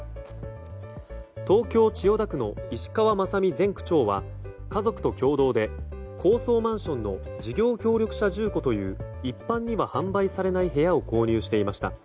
東京・千代田区の石川雅己前区長は家族と共同で高層マンションの事業協力者住戸という一般には販売されない部屋を購入していました。